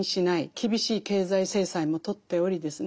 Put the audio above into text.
厳しい経済制裁もとっておりですね